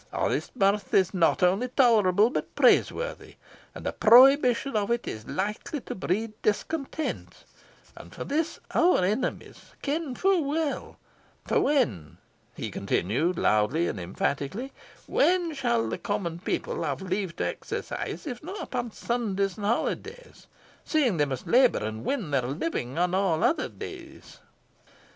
Honest mirth is not only tolerable but praiseworthy, and the prohibition of it is likely to breed discontent, and this our enemies ken fu' weel; for when," he continued, loudly and emphatically "when shall the common people have leave to exercise if not upon Sundays and holidays, seeing they must labour and win their living on all other days?"